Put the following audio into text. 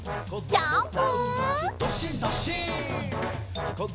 ジャンプ！